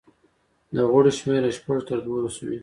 د غړو شمېر له شپږو تر دولسو وي.